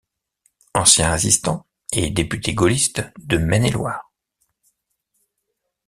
Ancien résistant, et député gaulliste de Maine-et-Loire.